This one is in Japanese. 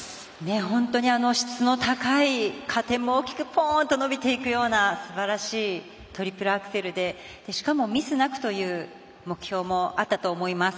本当に質の高い加点も高く大きくポーンと伸びていくようなすばらしいトリプルアクセルでしかもミスなくという目標もあったと思います。